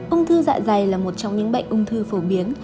ung thư dạ dày là một trong những bệnh ung thư phổ biến